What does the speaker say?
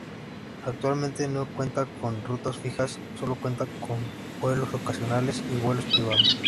Actualmente no cuenta con rutas fijas, sólo cuenta con vuelos ocasionales y vuelos privados.